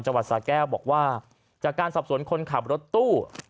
สาแก้วบอกว่าจากการสอบสวนคนขับรถตู้